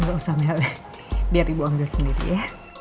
gak usah mel biar ibu ambil sendiri ya